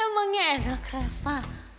emangnya enak reva